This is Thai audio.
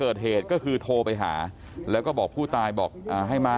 ทีนี้เราเริ่มต้นเช้าอีก